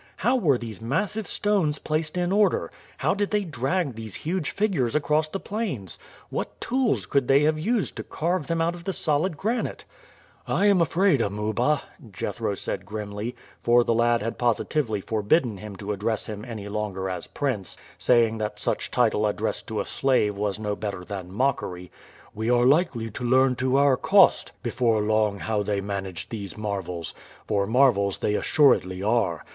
"How were these massive stones placed in order? How did they drag these huge figures across the plains? What tools could they have used to carve them out of the solid granite?" "I am afraid, Amuba," Jethro said grimly, for the lad had positively forbidden him to address him any longer as prince, saying that such title addressed to a slave was no better than mockery, "we are likely to learn to our cost before long how they manage these marvels, for marvels they assuredly are.